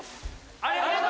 ありがとう！